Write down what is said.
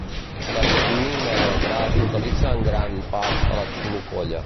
La lignina del gra es localitza en gran part a la clofolla.